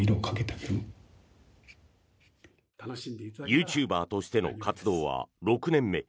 ユーチューバーとしての活動は６年目。